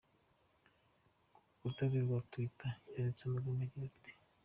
Ku rukuta rwe rwa twitter yanditse amagambo agira ati:.